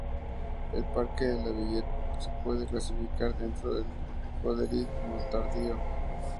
El Parque de la Villette se puede clasificar dentro del postmodernismo tardío.